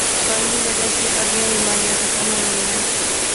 صفائی نی وجہ سی ادیاں بیماریاں ختم ہوئی غنیاں